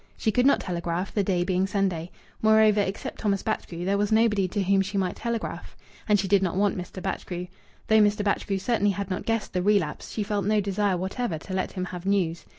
She could not telegraph the day being Sunday. Moreover, except Thomas Batchgrew, there was nobody to whom she might telegraph. And she did not want Mr. Batchgrew. Though Mr. Batchgrew certainly had not guessed the relapse, she felt no desire whatever to let him have news.